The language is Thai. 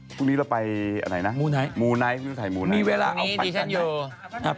พรุ่งนี้เราไปมูไนท์มีเวลาเอาปั้นจันนะ